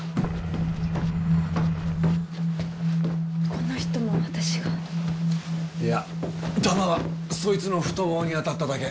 この人も私が？いや弾はそいつの太ももに当たっただけ。